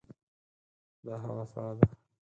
دا هوا سړه ده.